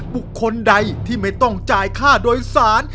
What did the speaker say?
บุคคลใดที่ไม่ต้องจ่ายค่าโดยสาร